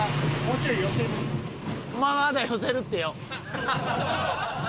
まだ寄せるってよ。